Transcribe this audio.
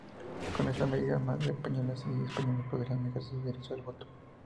Con esta medida, más de españolas y españoles podrán ejercer su derecho al voto.